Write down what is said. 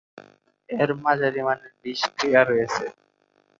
এর মাঝারি মানের বিষক্রিয়া রয়েছে।